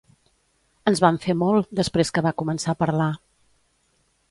Ens vam fer molt, després que va començar a parlar.